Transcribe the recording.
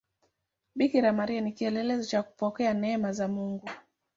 Bikira Maria ni kielelezo cha kupokea neema za Mungu.